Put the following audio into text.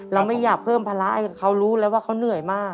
เราไม่อยากเพิ่มภาระให้เขารู้แล้วว่าเขาเหนื่อยมาก